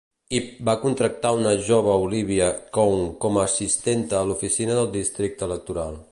Heap va contractar una jove Olivia Chow com a assistenta a l'oficina del districte electoral.